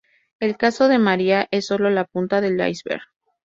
El caso de María es solo la punta del Iceberg.